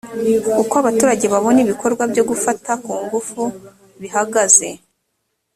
uko abaturage babona ibikorwa byo gufata ku ngufu bihagaze